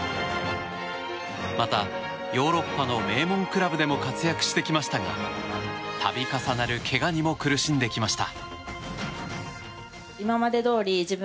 またヨーロッパの名門クラブでも活躍してきましたが度重なるけがにも苦しんできました。